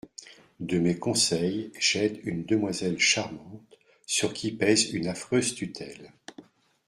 De mes conseils j’aide une demoiselle Charmante, sur qui pèse une affreuse tutelle.